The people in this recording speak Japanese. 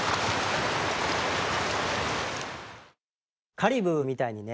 カリブーみたいにね